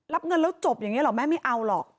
รับเงินแล้วจบอย่างนี้หรอแม่ไม่เอาหรอก